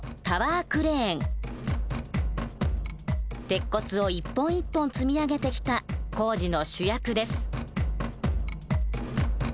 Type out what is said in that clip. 鉄骨を一本一本積み上げてきた工事の主役です。